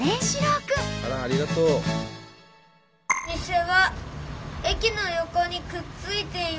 お店は駅の横にくっついています。